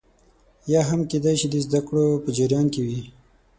یا هم کېدای شي د زده کړو په جریان کې وي